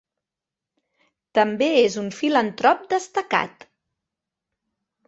També és un filantrop destacat.